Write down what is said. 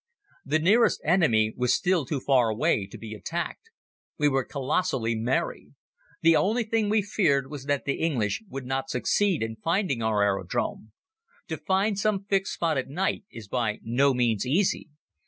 The nearest enemy was still too far away to be attacked. We were colossally merry. The only thing we feared was that the English would not succeed in finding our aerodrome. To find some fixed spot at night is by no means easy.